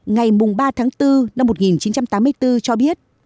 ngày ba tháng bốn năm một nghìn chín trăm tám mươi bốn cho biết